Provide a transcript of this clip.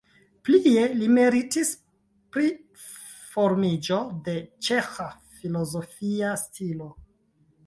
Plie li meritis pri formiĝo de ĉeĥa filozofia stilo.